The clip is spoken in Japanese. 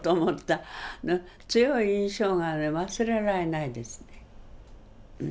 強い印象が忘れられないですね。